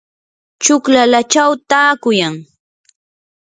chuklallachaw taakuyan.